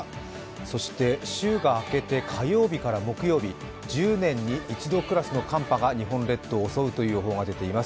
そして週が明けて火曜日から木曜日、１０年に一度クラスの寒波が日本列島を襲うという予報が出ています。